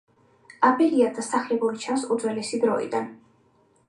აბელია დასახლებული ჩანს უძველესი დროიდან.